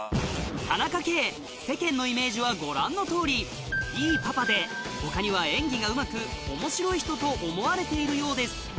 田中圭世間のイメージはご覧のとおりいいパパで他には演技がうまく面白い人と思われているようです